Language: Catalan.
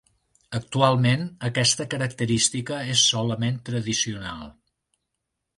Actualment, aquesta característica és solament tradicional.